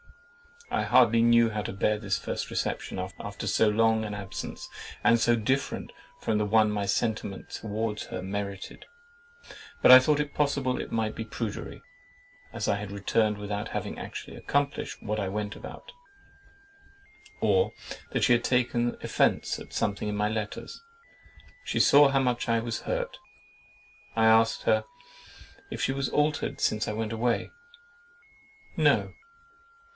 I hardly knew how to bear this first reception after so long an absence, and so different from the one my sentiments towards her merited; but I thought it possible it might be prudery (as I had returned without having actually accomplished what I went about) or that she had taken offence at something in my letters. She saw how much I was hurt. I asked her, "If she was altered since I went away?"—"No."